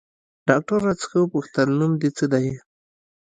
ډاکتر راڅخه وپوښتل نوم دې څه ديه.